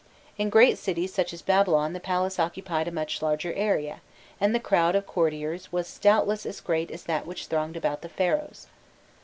In great cities such as Babylon the palace occupied a much larger area, and the crowd of courtiers was doubtless as great as that which thronged about the Pharaohs.